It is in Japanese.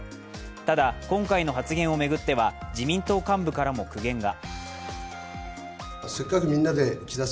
ただ、今回の発言を巡っては自民党幹部からも苦言が。